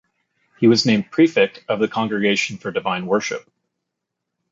He was named Prefect of the Congregation for Divine Worship.